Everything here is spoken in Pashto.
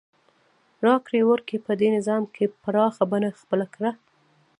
راکړې ورکړې په دې نظام کې پراخه بڼه خپله کړه.